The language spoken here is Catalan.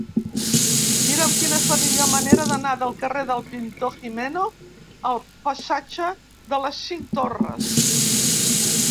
Mira'm quina és la millor manera d'anar del carrer del Pintor Gimeno al passatge de les Cinc Torres.